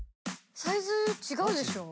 サイズ違うでしょ。